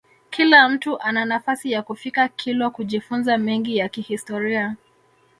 Kila mtu ana nafasi ya kufika kilwa kujifunza mengi ya kihistoria